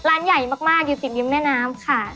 ร้านใหญ่มากอยู่ติดริมแม่น้ำค่ะ